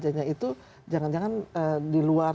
demandnya tinggi sehingga kadang kadang ya bayar berapa saja bolehlah